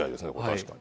確かに。